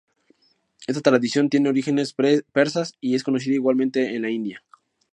Esta tradición tiene orígenes persas y es conocida igualmente en la India.